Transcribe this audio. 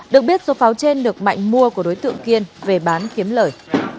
được biết số pháo trên được mạnh mua của đối tượng kiên về bán kiếm lời